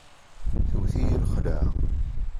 Tewt-iyi lxelεa.